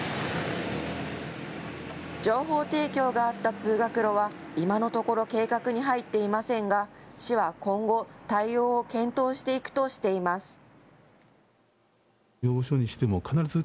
情報提供があった通学路は今のところ計画に入っていませんが、市は今後、対応を検討していくとしています。